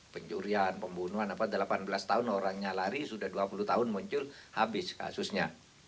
pencurian pembunuhan delapan belas tahun orangnya lari sudah dua puluh tahun muncul habis kasusnya